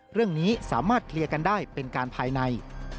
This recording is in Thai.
เรื่องนี้สามารถเคลียร์กันได้เป็นการภายใน